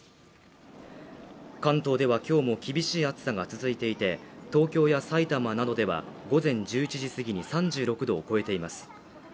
関東ではきょうも厳しい暑さが続いていて東京や埼玉などでは午前１１時過ぎに３６度を超えています